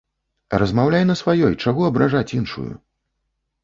Размаўляй на сваёй, чаго абражаць іншую?